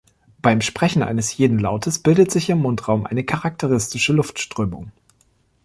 Beim Sprechen eines jeden Lautes bildet sich im Mundraum eine charakteristische Luftströmung.